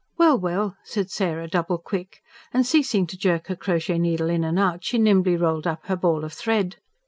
"Well, well!" said Sarah double quick; and ceasing to jerk her crochet needle in and out, she nimbly rolled up her ball of thread.